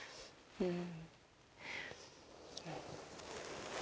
うん。